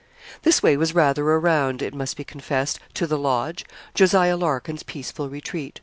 This way was rather a round, it must be confessed, to the Lodge Jos, Larkin's peaceful retreat.